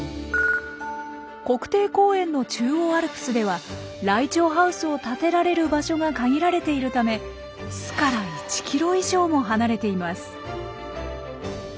国定公園の中央アルプスではライチョウハウスを建てられる場所が限られているため巣から１キロ以上も離れています。